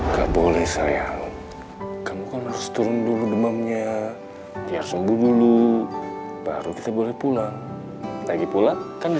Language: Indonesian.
gak boleh sayang kamu harus turun dulu demamnya biar sembuh dulu baru kita boleh pulang lagi